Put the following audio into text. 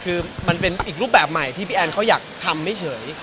คือมันเป็นอีกรูปแบบใหม่ที่พี่แอนเขาอยากทำไม่เฉย